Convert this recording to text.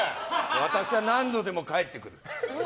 私は何度でも帰ってくる。